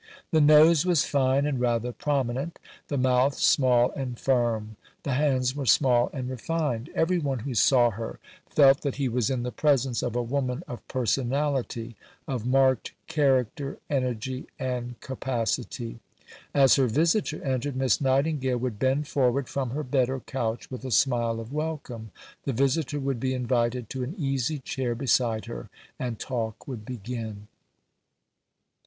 The nose was fine and rather prominent; the mouth, small and firm. The hands were small and refined. Every one who saw her felt that he was in the presence of a woman of personality of marked character, energy, and capacity. As her visitor entered, Miss Nightingale would bend forward from her bed or couch with a smile of welcome; the visitor would be invited to an easy chair beside her, and talk would begin.